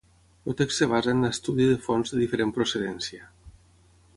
El text es basa en l'estudi de fonts de diferent procedència.